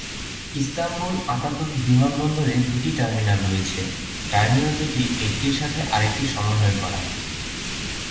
Istanbul Ataturk বিমানবন্দরে দুটি terminal রয়েছে, টার্মিনাল দুটি একটির সাথে আরেকটি সমন্বয় করা।